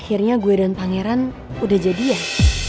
akhirnya gue dan pangeran udah jadian